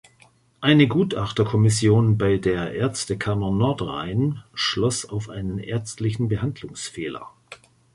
Eine Gutachterkommission bei der Ärztekammer Nordrhein schloss auf einen ärztlichen Behandlungsfehler.